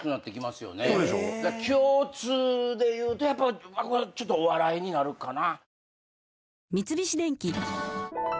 共通で言うとやっぱちょっとお笑いになるかな。